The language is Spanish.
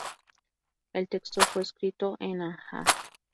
El texto fue escrito en Hanja.